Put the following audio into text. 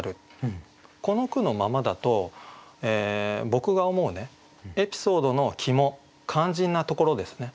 この句のままだと僕が思うエピソードの肝肝心なところですね